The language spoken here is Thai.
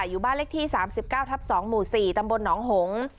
อยู่บ้านเลขที่สามสิบเก้าทับสองหมู่สี่ตำบลหนองหงศ์